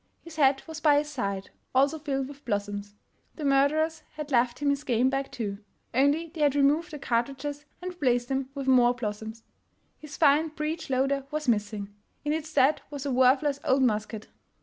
His hat was by his side, also filled with blossoms. The murderers had left him his game bag too — only they had removed the cartridges and replaced them with more blos soms. His fine breech loader was* missing; in its stead was a worthless old musket.